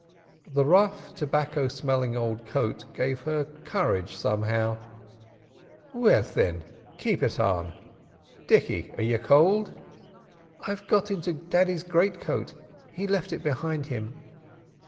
The rough, tobacco smelling old coat gave her courage somehow. "Well, thin, keep it on. Dicky, are you cowld?" "I've got into daddy's great coat; he left it behind him."